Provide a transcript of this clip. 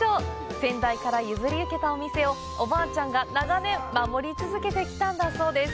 先代から譲り受けたお店をおばあちゃんが長年、守り続けてきたんだそうです。